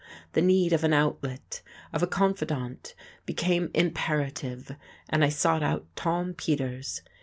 The need of an outlet, of a confidant, became imperative, and I sought out Tom Peters.